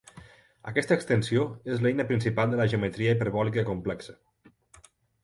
Aquesta extensió és l'eina principal de la geometria hiperbòlica complexa.